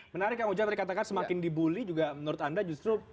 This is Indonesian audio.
menarik yang hujan dikatakan semakin dibully juga menurut anda justru